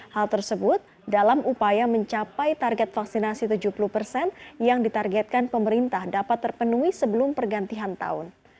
hal tersebut dalam upaya mencapai target vaksinasi tujuh puluh persen yang ditargetkan pemerintah dapat terpenuhi sebelum pergantian tahun